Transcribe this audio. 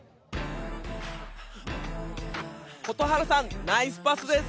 蛍原さん、ナイスパスです！